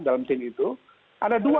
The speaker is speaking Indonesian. dalam tim itu ada dua